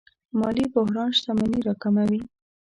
مالي بحران شتمني راکموي.